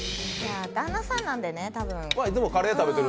旦那さんなんでね。